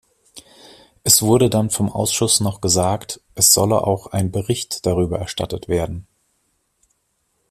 Es wurde dann vom Ausschuss noch gesagt, es solle auch Bericht darüber erstattet werden.